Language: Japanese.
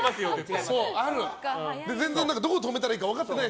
全然どこ止めたらいいか分かってない